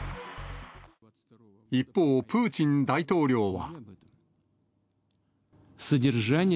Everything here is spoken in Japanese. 一方、プーチン大統領は。